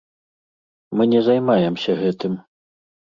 Мы не займаемся гэтым.